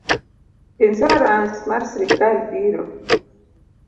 Insuarans mar sirkal biro